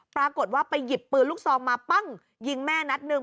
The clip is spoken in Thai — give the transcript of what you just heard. ปรากฏว่าไปหยิบปืนลูกซองมาปั้งยิงแม่นัดหนึ่ง